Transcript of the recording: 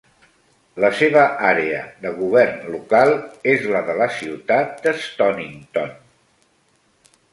La seva àrea de govern local és la de la ciutat de Stonnington.